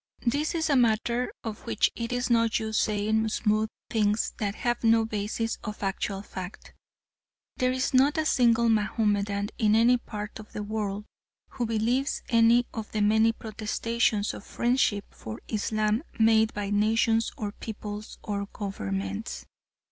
This is a matter on which it is no use saying smooth things that have no basis of actual fact. There is not a single Mahomedan in any part of the world who believes any of the many protestations of friendship for Islam made by nations or peoples or governments.